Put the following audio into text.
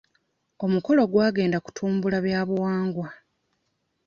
Omukolo gwagendde kutumbula byabuwangwa.